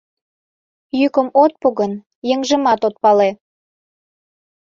Йӱкым ок пу гын, еҥжымат от пале...